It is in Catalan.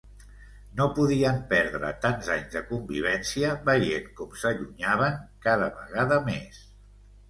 No podien perdre tants anys de convivència veient com s'allunyaven cada vegada més.